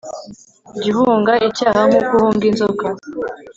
jya uhunga icyaha nk'uko uhunga inzoka